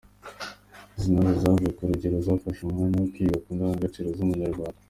Izi ntore zavuye ku rugerero zafashe umwanya wo kwiga ku ndangagaciro z’Umunyarwanda.